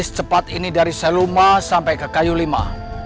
secepat ini dari seluma sampai ke kayu lima